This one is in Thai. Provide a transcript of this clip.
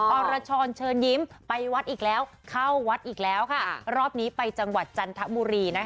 อรชรเชิญยิ้มไปวัดอีกแล้วเข้าวัดอีกแล้วค่ะรอบนี้ไปจังหวัดจันทบุรีนะคะ